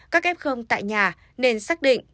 các f tại nhà nên xác định